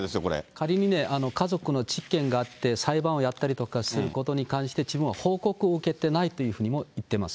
仮にね、家族の事件があって、裁判をやったりとかすることに関して、自分は報告を受けてないというふうにも言ってます。